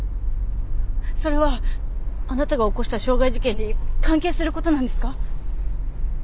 それはあなたが起こした傷害事件に関係する事なんですか？